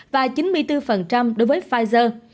và chín mươi bốn đối với pfizer